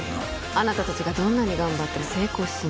あなた達がどんなに頑張っても成功しない